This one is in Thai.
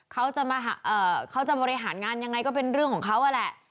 เขาจะบริหารงานยังไงก็เป็นเรื่องของเขาอะแหละ